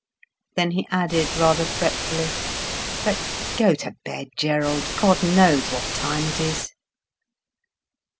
Then he added, rather fretfully, "But go to bed, Gerald. God knows what time it is."